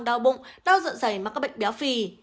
đau bụng đau rợn rảy mà có bệnh béo phì